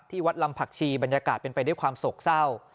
วัดลำผักชีบรรยากาศเป็นไปด้วยความโศกเศร้า